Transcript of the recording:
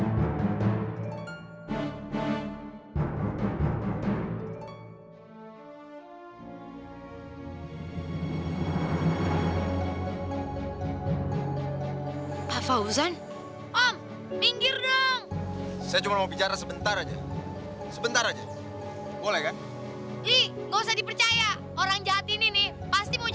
orang jahat ini nih pasti mau jahatin lo lagi